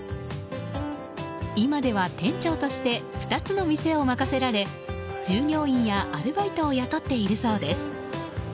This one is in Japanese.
今では店長として２つの店を任せられ従業員やアルバイトを雇っているそうです。